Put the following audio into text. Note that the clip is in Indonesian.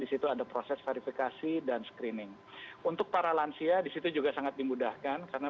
di situ ada proses verifikasi dan screening untuk para lansia disitu juga sangat dimudahkan karena